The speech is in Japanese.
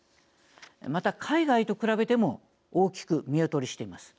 また、海外と比べても大きく見劣りしています。